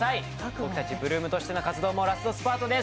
僕たち８ＬＯＯＭとしての活動もラストスパートです。